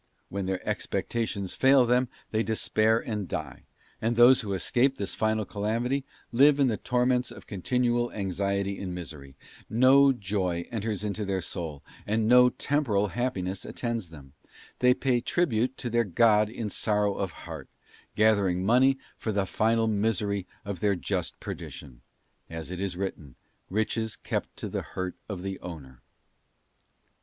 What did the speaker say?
When their expectations fail them they despair and die, and those who escape this final calamity live in the torments of con tinual anxiety and misery; no joy enters into their soul, and no temporal happiness attends them ; they pay tribute to their god in sorrow of heart, gathering money for the final misery of their just perdition: as it is written, ' Riches kept to the hurt of the owner.